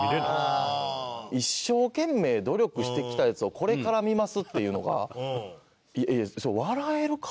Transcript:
一生懸命努力してきたヤツをこれから見ますっていうのがそれ笑えるか？